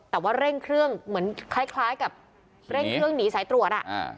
แต่ว่าเร่งเครื่องเหมือนคล้ายกับเร่งเครื่องหนีสายตรวจ